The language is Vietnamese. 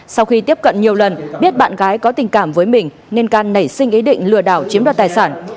sau khi tiếp cận nhiều lần biết bạn gái có tình cảm với mình nên can nảy sinh ý định lừa đảo chiếm đoạt tài sản